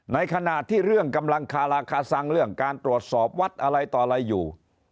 ในขณะที่เรื่องกำลังคาราคาซังเรื่องการตรวจสอบวัดอะไรต่ออะไรอยู่